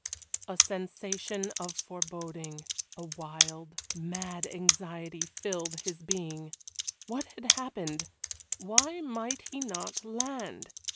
A sensation of foreboding a wild, mad anxiety, filled his being. What had happened? Why might he not land?